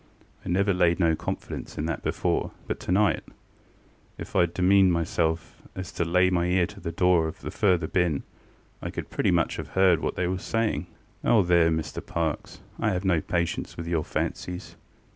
I never laid no confidence in that before; but tonight, if IŌĆÖd demeaned myself to lay my ear to the door of the further bin, I could pretty much have heard what they was saying. ŌĆØ ŌĆ£Oh, there, Mr Parkes, IŌĆÖve no patience with your fancies!